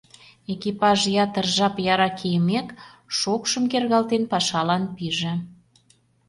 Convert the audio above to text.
Экипаж, ятыр жап яра кийымек, шокшым кергалтен пашалан пиже.